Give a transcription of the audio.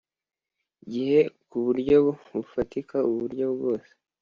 Gihe ku buryo bufatika uburyo bwose